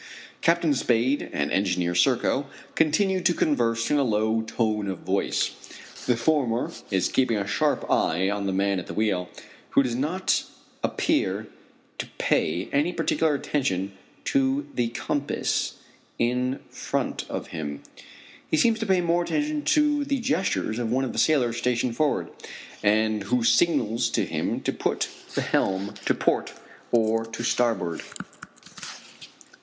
Captain Spade and Engineer Serko continue to converse in a low tone of voice. The former is keeping a sharp eye on the man at the wheel, who does not appear to pay any particular attention to the compass in front of him. He seems to pay more heed to the gestures of one of the sailors stationed forward, and who signals to him to put the helm to port or to starboard.